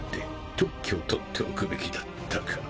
特許を取っておくべきだったか。